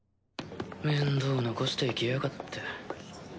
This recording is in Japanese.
面倒残していきやがって。